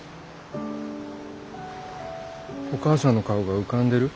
お母さんの顔が浮かんでる？